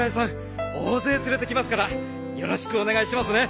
大勢連れてきますからよろしくお願いしますね。